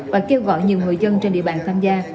và kêu gọi nhiều người dân trên địa bàn tham gia